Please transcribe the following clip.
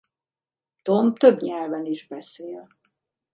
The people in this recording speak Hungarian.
Tom több nyelven is beszél.